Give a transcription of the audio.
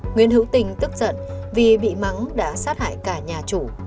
nguyễn hữu tình tức giận vì bị mắng đã sát hại cả nhà chủ